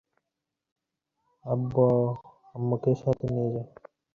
আপনি শত্রুর হাতে ধ্বংস হওয়ার জন্যই যেন, জনগণকে সামনে ঠেলে দিতে চাইছেন।